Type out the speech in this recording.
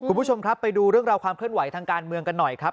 คุณผู้ชมครับไปดูเรื่องราวความเคลื่อนไหวทางการเมืองกันหน่อยครับ